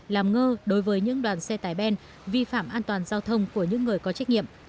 làm ngơ đối với những đoàn xe tải ben vi phạm an toàn giao thông của những người có trách nhiệm